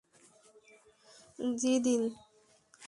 জ্বি, দিন।